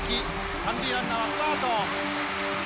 三塁ランナーはスタート！